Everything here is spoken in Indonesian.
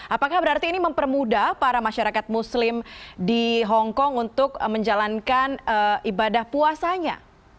apakah berarti ini mempermudah para masyarakat muslim di hongkong untuk menjalankan ibadah puasanya